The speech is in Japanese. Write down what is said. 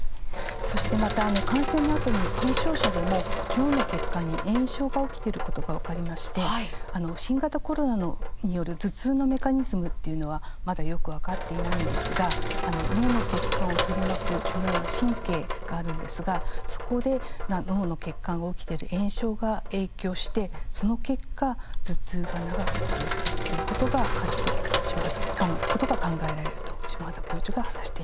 そしてまた感染のあとに軽症者でも脳の血管に炎症が起きていることが分かりまして新型コロナによる頭痛のメカニズムっていうのはまだよく分かっていないんですが脳の血管を取り巻くこのような神経があるんですがそこで脳の血管に起きてる炎症が影響してその結果頭痛が長く続くということが考えられると下畑教授が話していました。